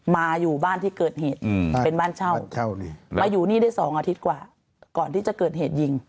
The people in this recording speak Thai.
มาอยู่บ้านที่เกิดเหตุเป็นบ้านเช่านี่มาอยู่นี่ได้๒อาทิตย์กว่าก่อนที่จะเกิดเหตุยิง